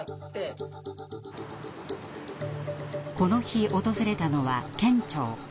この日訪れたのは県庁。